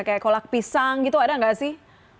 kayak kolak pisang gitu ada nggak sih